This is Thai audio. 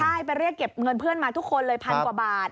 ใช่ไปเรียกเก็บเงินเพื่อนมาทุกคนเลยพันกว่าบาท